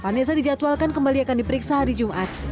vanessa dijadwalkan kembali akan diperiksa hari jumat